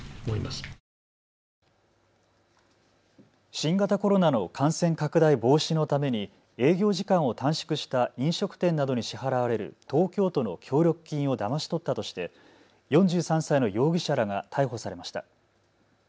新型コロナの感染拡大防止のために営業時間を短縮した飲食店などに支払われる東京都の協力金をだまし取ったとして４３歳の容疑者らが逮捕されました。